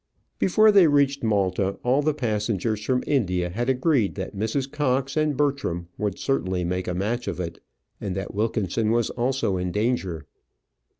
Before they reached Malta, all the passengers from India had agreed that Mrs. Cox and Bertram would certainly make a match of it, and that Wilkinson was also in danger.